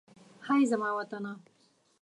هئ! زما وطنه.